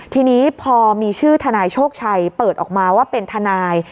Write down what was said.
ทีนี้พอมีชื่อทนายโชคชัยเปิดออกมาว่าเป็นทนาย